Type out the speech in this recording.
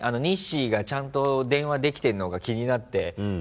ニッシーがちゃんと電話できてんのか気になって。